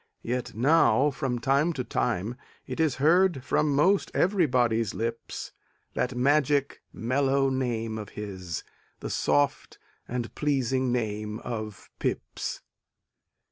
Yet now, from time to time, it is Heard from 'most everybody's lips That magic, mellow name of his, The soft and pleasing name of Pepys.